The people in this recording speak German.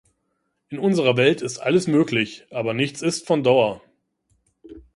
In unserer Welt ist alles möglich, aber nichts ist von Dauer.